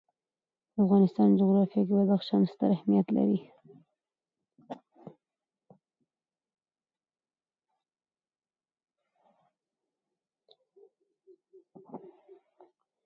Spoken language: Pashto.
د افغانستان جغرافیه کې بدخشان ستر اهمیت لري.